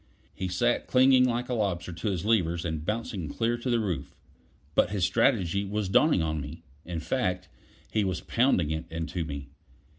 He sat clinging like a lobster to his levers and bouncing clear to the roof. But his strategy was dawning on me; in fact, he was pounding it into me.